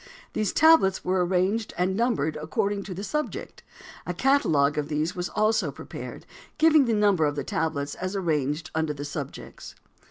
These tablets were arranged and numbered according to the subject. A catalogue of these was also prepared, giving the number of the tablets as arranged under the subjects.